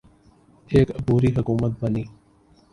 ایک عبوری حکومت بنی۔